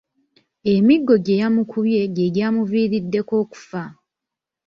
Emiggo gye yamukubye gye gyamuviiriddeko okufa.